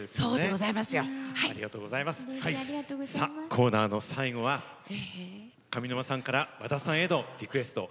コーナーの最後は上沼さんから和田さんへのリクエスト